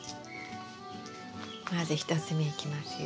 まず１つ目いきますよ。